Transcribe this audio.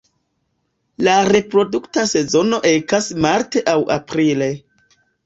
La reprodukta sezono ekas marte aŭ aprile.